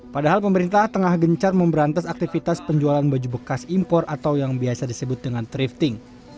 padahal pemerintah tengah gencar memberantas aktivitas penjualan baju bekas impor atau yang biasa disebut dengan thrifting